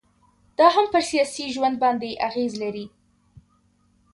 دا هم پر سياسي ژوند باندي اغيزي لري